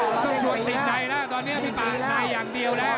มันต้องชวนติดในแล้วตอนนี้พี่ป่าในอย่างเดียวแล้ว